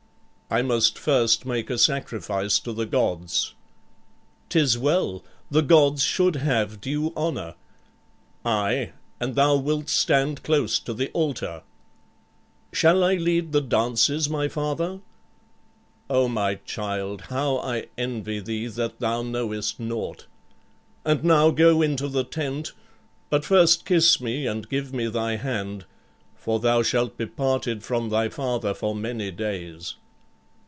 "I must first make a sacrifice to the gods." "'Tis well. The gods should have due honor." "Aye, and thou wilt stand close to the altar." "Shall I lead the dances, my father?" "O my child, how I envy thee, that thou knowest naught! And now go into the tent; but first kiss me and give me thy hand, for thou shalt be parted from thy father for many days."